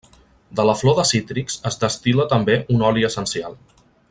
De la flor de cítrics es destil·la també un oli essencial.